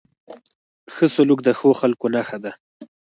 ښه سلوک د ښو خلکو نښه ده.